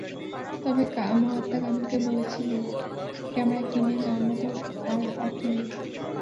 তবে মহাত্মা কানুকে বলেছিলেন, ক্যামেরা কিনে দেওয়ার মতো অর্থ তাঁর নেই।